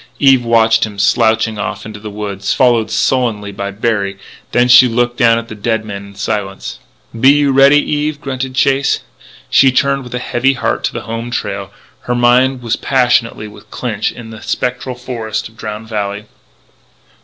Eve watched him slouching off into the woods, followed sullenly by Berry. Then she looked down at the dead man in silence. "Be you ready, Eve?" grunted Chase. She turned with a heavy heart to the home trail; but her mind was passionately with Clinch in the spectral forests of Drowned Valley.